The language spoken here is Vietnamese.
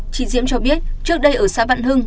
chị diễm cho biết trước đây ở xã vạn hưng